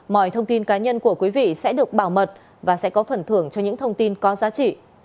mọi thông tin cá nhân của quý vị sẽ được bảo mật và sẽ có phần thưởng cho những thông tin có giá trị